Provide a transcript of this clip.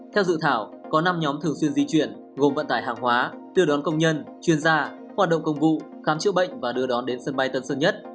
theo dự thảo có năm nhóm thường xuyên di chuyển gồm vận tải hàng hóa đưa đón công nhân chuyên gia hoạt động công vụ khám chữa bệnh và đưa đón đến sân bay tân sơn nhất